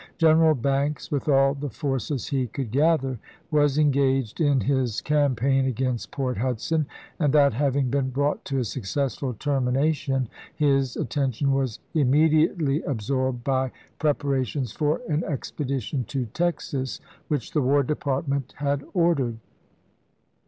General Banks, with all the forces he could gather, was engaged in his campaign against Port Hudson, and that having been brought to a successful termination his atten tion was immediately absorbed by preparations for an expedition to Texas, which the War Department had ordered.